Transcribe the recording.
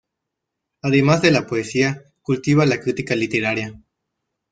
Además de la poesía cultiva la crítica literaria.